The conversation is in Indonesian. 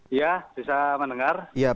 iya bisa mendengar